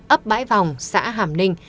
ấp bãi vòng xã hàm ninh